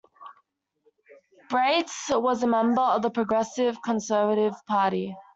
Baetz was a member of the Progressive Conservative Party.